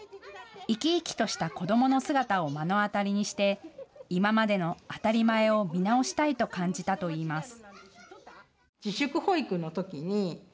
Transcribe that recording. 生き生きとした子どもの姿を目の当たりにして今までの当たり前を見直したいと感じたといいます。